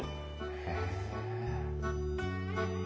へえ。